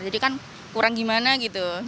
jadi kan kurang gimana gitu